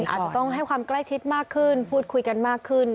อาจจะต้องให้ความใกล้ชิดมากขึ้นพูดคุยกันมากขึ้น